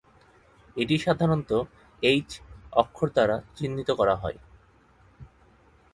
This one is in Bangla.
এটি সাধারণত "এইচ" অক্ষর দ্বারা চিহ্নিত করা হয়।